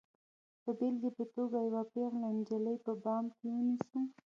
د بېلګې په توګه یوه پیغله نجلۍ په پام کې نیسو.